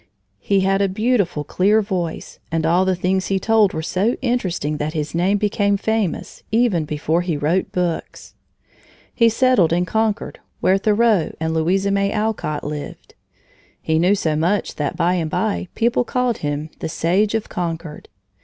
He had a beautiful, clear voice, and all the things he told were so interesting that his name became famous, even before he wrote books. He settled in Concord, where Thoreau and Louisa May Alcott lived. He knew so much that by and by people called him "The Sage of Concord."